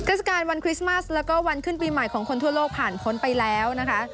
เทศกาลวันคริสต์มัสแล้วก็วันขึ้นปีใหม่ของคนทั่วโลกผ่านพ้นไปแล้วนะคะ